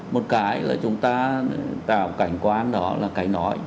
một cái là chúng ta tạo cảnh quan đó là cái nói